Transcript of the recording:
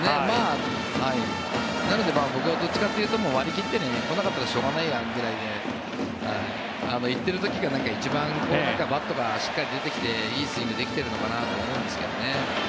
なので僕はどっちかというと割り切って、来なかったらしょうがないやくらいの感じで行っている時が一番バットがしっかり出ていていいスイングができているのかなと思うんですけどね。